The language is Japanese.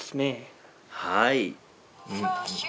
はい。